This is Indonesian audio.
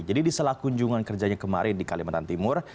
jadi di selakunjungan kerjanya kemarin di kalimantan timur